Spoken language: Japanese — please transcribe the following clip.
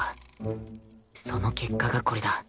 その結果がこれだ